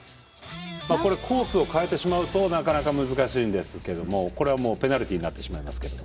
これコースを変えてしまうとなかなか難しいんですけどもこれはもうペナルティーになってしまいますけれども。